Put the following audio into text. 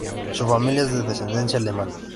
Su familia es de descendencia alemana.